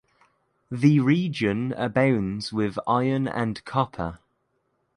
The region abounds with iron and copper.